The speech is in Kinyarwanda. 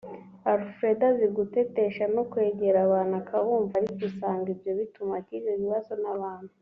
Alfred azi gutetesha no kwegera abantu akabumva ariko usanga ibyo bituma agirana ibibazo n’abantu